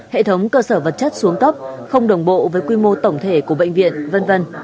hệ thống cơ sở vật chất xuống cấp không đồng bộ với quy mô tổng thể của bệnh viện v v